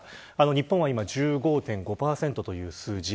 日本は今１５．５％という数字。